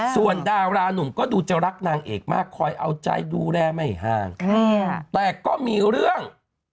ส่วนดารานุ่มก็ดูจะรักนางเอกมากคอยเอาใจดูแลไม่ห่างแต่ก็มีเรื่อง